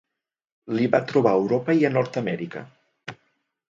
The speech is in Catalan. L'hi va trobar a Europa i a Nord-amèrica.